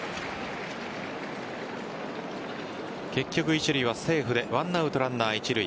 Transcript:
結局、一塁はセーフで１アウトランナー一塁。